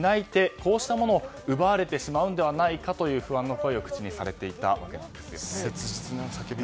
こうしたものを奪われてしまうのではないかという不安を口にされていたわけなんです。